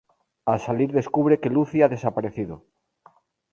Al salir descubre que Lucy ha desaparecido.